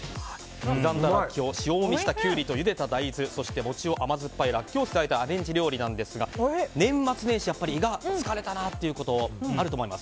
刻んだラッキョウと塩もみしたキュウリとゆでた大豆そして餅を甘酸っぱいラッキョウ酢であえたアレンジ料理なんですが年末年始、胃が疲れたなという時もあると思います。